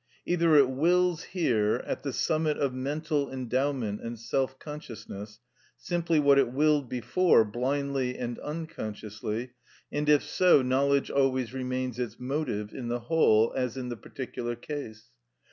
Either it wills here, at the summit of mental endowment and self consciousness, simply what it willed before blindly and unconsciously, and if so, knowledge always remains its motive in the whole as in the particular case.